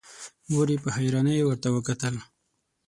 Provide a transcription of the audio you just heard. مور يې په حيرانی ورته وکتل.